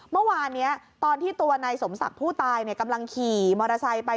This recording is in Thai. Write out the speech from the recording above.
เมื่อวานนี้ตอนที่ตัวนายสมศักดิ์ผู้ตายกำลังขี่มอเตอร์ไซค์ไป